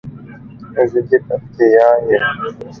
زه د پکتیا یم